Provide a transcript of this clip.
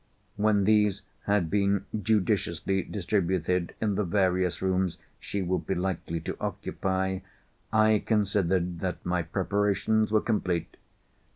When these had been judiciously distributed in the various rooms she would be likely to occupy, I considered that my preparations were complete.